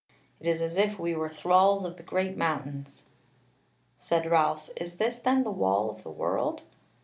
It is as if we were thralls of the great mountains." Said Ralph, "Is this then the Wall of the World?"